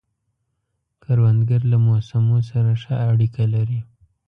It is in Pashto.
کروندګر له موسمو سره ښه اړیکه لري